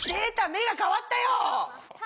目がかわったよ。